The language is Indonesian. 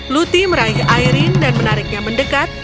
luti meraih airin dan menariknya mendekat